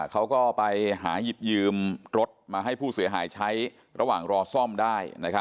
เขาก็ไปหาหยิบยืมรถมาให้ผู้เสียหายใช้ระหว่างรอซ่อมได้